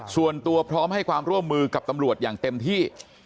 ส่วนตัวพร้อมให้ความร่วมมือกับตำรวจอย่างเต็มที่